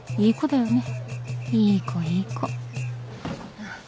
いい子いい子ハァ。